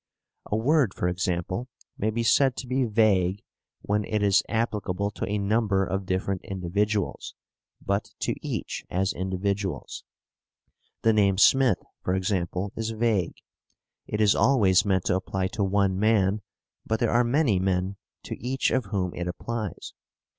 A word, for example, may be said to be vague when it is applicable to a number of different individuals, but to each as individuals; the name Smith, for example, is vague: it is always meant to apply to one man, but there are many men to each of whom it applies.